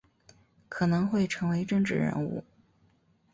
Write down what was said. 可能会成为政治人物